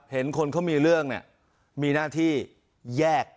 เห็นคนเขามีเรื่องเนี่ยมีหน้าที่แยก